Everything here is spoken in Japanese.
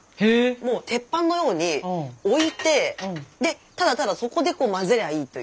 もう鉄板のように置いてただただそこで混ぜりゃいいという。